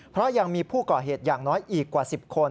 เพราะยังมีผู้ก่อเหตุอย่างน้อยอีกกว่า๑๐คน